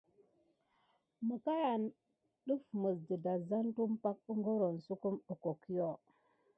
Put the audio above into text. Məkayan yane def mis dedazan tumpay kutu suck kim kirore hohohokio.